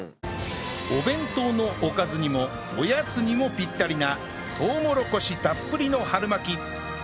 お弁当のおかずにもおやつにもぴったりなとうもろこしたっぷりの春巻き